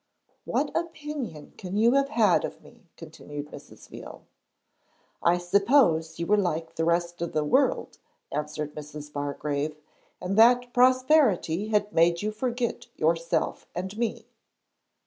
'What opinion can you have had of me?' continued Mrs. Veal. 'I supposed you were like the rest of the world,' answered Mrs. Bargrave, 'and that prosperity had made you forget yourself and me.'